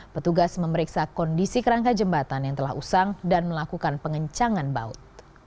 petugas memeriksa kondisi kerangka jembatan yang telah usang dan melakukan pengencangan baut